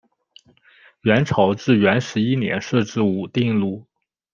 元朝至元十一年设置武定路。